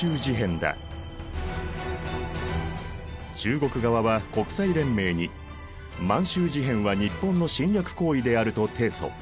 中国側は国際連盟に満洲事変は日本の侵略行為であると提訴。